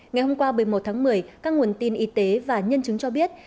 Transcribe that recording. ngày hôm qua một mươi một tháng một mươi các nguồn tin y tế và nhân chứng cho biết